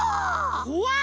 こわい！